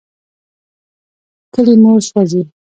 کلي مو سوځي.